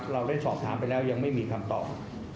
เราได้สอบถามไปแล้วยังไม่มีคำตอบ